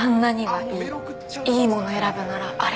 いいもの選ぶならあれ。